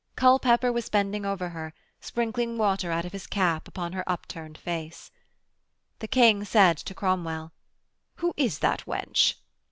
Culpepper was bending over her, sprinkling water out of his cap upon her upturned face. The King said to Cromwell: 'Who is that wench?'